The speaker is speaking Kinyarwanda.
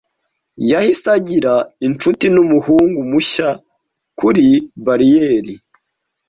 Yahise agira inshuti numuhungu mushya kuri bariyeri.